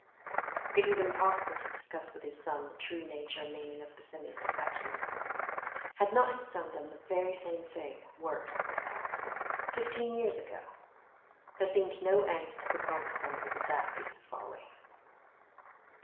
It was impossible to discuss with his son the true nature and meaning of Bosinney's defection. Had not his son done the very same thing (worse, if possible) fifteen years ago? There seemed no end to the consequences of that piece of folly.